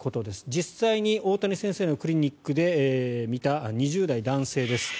実際に大谷先生のクリニックで診た２０代男性です。